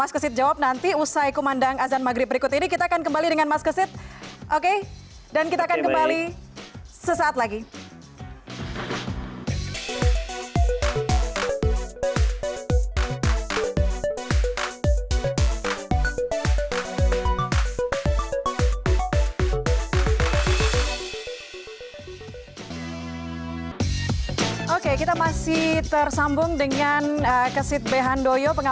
ketiga keputusan fifa